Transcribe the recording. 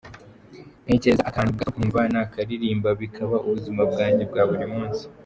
Ntekereza akantu gato nkumva nakaririmba bikaba ubuzima bwanjye bwa buri munsi.